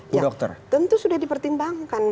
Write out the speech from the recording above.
iya tentu sudah di pertimbangkan